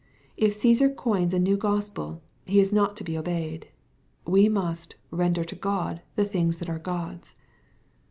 Uf Csesar coins a new Grospel, he is not to be obeyed. We must " render to God the things that are God's."